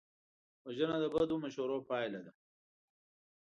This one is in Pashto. وژنه د بدو مشورو پایله ده